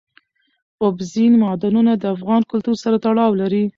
اوبزین معدنونه د افغان کلتور سره تړاو لري.